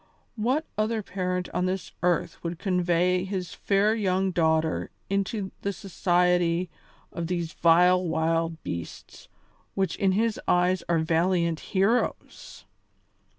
What other parent on this earth would convey his fair young daughter into the society of these vile wild beasts, which in his eyes are valiant heroes?